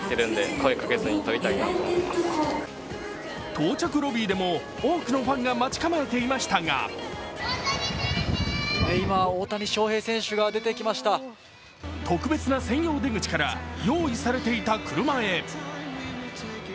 到着ロビーでも多くのファンが待ち構えていましたが特別な専用出口から用意されていた車へ。